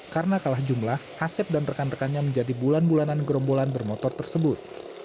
karena kalah jumlah asep dan rekan rekannya menjadi bulan bulanan gerombolan bermotor tersebut